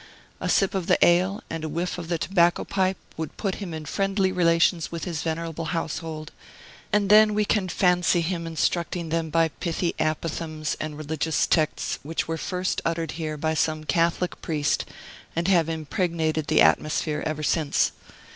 A sip of the ale and a whiff of the tobacco pipe would put him in friendly relations with his venerable household; and then we can fancy him instructing them by pithy apothegms and religious texts which were first uttered here by some Catholic priest and have impregnated the atmosphere ever since.